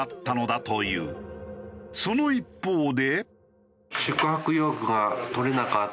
その一方で。